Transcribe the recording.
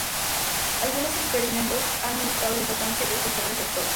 Algunos experimentos han demostrado la importancia de estos receptores.